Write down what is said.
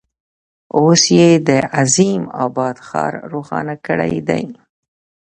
اوس یې د عظیم آباد ښار روښانه کړی دی.